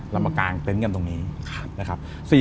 เรามากางเต็นต์กันตรงนี้